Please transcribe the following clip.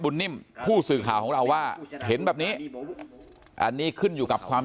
นิ่มผู้สื่อข่าวของเราว่าเห็นแบบนี้อันนี้ขึ้นอยู่กับความ